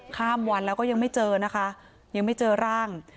ข้ามวันแล้วก็ยังไม่เจอนะคะยังไม่เจอร่าง